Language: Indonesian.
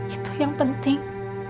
itu yang penting